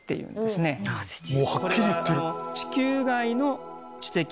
はっきり言ってる！